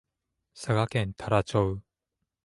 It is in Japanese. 佐賀県太良町